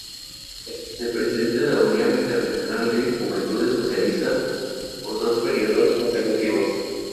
Fue vicepresidente de la Unión Internacional de Juventudes Socialistas por dos periodos consecutivos.